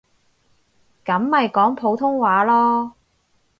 噉咪講普通話囉